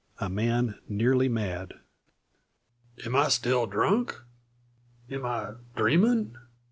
A MAN NEARLY MAD. "Am I still drunk? Am I dreaming?"